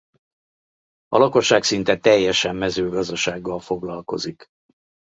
A lakosság szinte teljesen mezőgazdasággal foglalkozik.